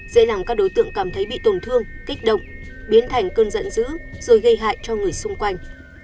dễ làm các đối tượng cảm thấy bị tổn thương kích động biến thành cơn giận dữ rồi gây hại cho người xung quanh